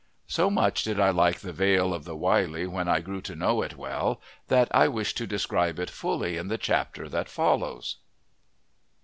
So much did I like the vale of the Wylye when I grew to know it well that I wish to describe it fully in the chapter that follows.